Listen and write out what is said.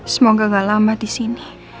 semoga gak lama disini